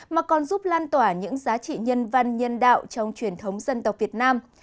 mà còn giúp lan tỏa những giá trị nhân văn nhân đạo trong truyền thống dân tộc việt nam